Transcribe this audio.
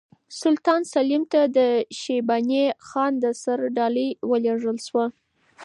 سلطان سلیم ته د شیباني خان د سر ډالۍ ولېږل شوه.